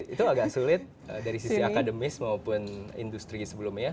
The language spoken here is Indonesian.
itu agak sulit dari sisi akademis maupun industri sebelumnya